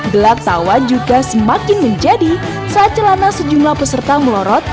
gelak tawa juga semakin menjadi saat celana sejumlah peserta melorot